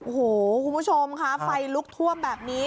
โหคุณผู้ชมไฟลุกท่วมแบบนี้